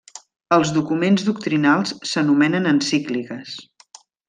Els documents doctrinals s'anomenen Encícliques.